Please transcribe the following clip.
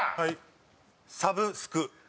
サブスク。